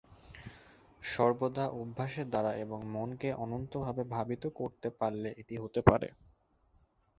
সর্বদা অভ্যাসের দ্বারা এবং মনকে অনন্তভাবে ভাবিত করতে পারলে এটি হতে পারে।